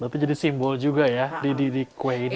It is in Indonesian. berarti jadi simbol juga ya di kue ini ya